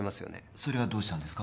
それがどうしたんですか？